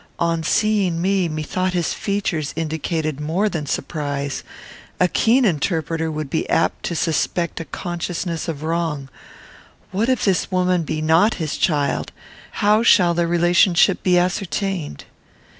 On seeing me, methought his features indicated more than surprise. A keen interpreter would be apt to suspect a consciousness of wrong. What if this woman be not his child! How shall their relationship be ascertained?"